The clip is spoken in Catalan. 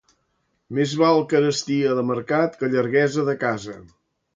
Més val carestia de mercat que llarguesa de casa.